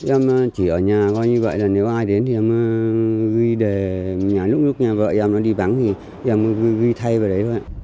em chỉ ở nhà coi như vậy là nếu ai đến thì em ghi đề lúc lúc nhà vợ em đi bắn thì em ghi đề